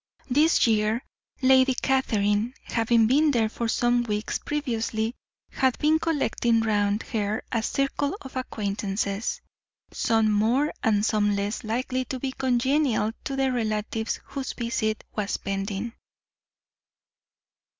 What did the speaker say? This year Lady Catherine, having been there for some weeks previously, had been collecting round her a circle of acquaintances, some more and some less likely to be congenial to the relatives whose visit was pending.